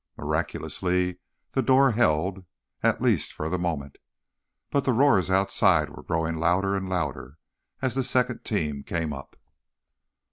Miraculously, the door held, at least for the moment. But the roars outside were growing louder and louder as the second team came up.